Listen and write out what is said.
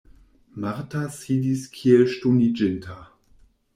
Marta sidis kiel ŝtoniĝinta.